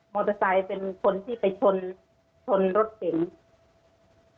มอเตอร์ไซค์เป็นคนที่ไปชนรถเสร็จ